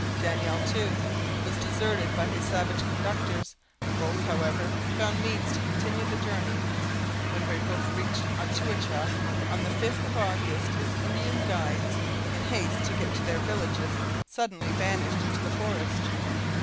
Daniel, too, was deserted by his savage conductors. Both, however, found means to continue the journey. When Brebeuf reached Otouacha, on the 5th of August, his Indian guides, in haste to get to their villages, suddenly vanished into the forest.